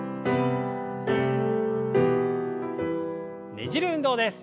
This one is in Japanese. ねじる運動です。